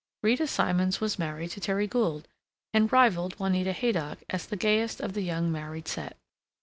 Rita Simons was married to Terry Gould, and rivaled Juanita Haydock as the gayest of the Young Married Set.